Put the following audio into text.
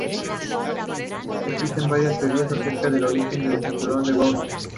Existen varias teorías acerca del origen del cinturón de Gould.